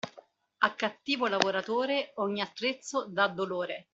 A cattivo lavoratore ogni attrezzo da dolore.